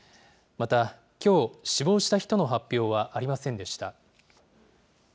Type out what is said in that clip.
またきょう死亡した人の発表はありませんでした。